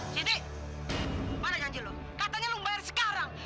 siti mana janji lo katanya lo bayar sekarang